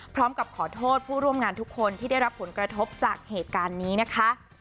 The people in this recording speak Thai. พร้อมกับขอโทษผู้ร่วมงานทุกคนที่ได้รับผลกระทบจากเหตุการณ์นี้นะคะ